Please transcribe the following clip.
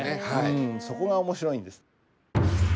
そこが面白いんです。